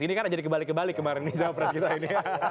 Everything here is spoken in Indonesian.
ini kan jadi kebalik kebalik kemarin nih cawapres kita ini